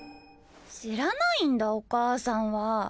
知らないんだお母さんは。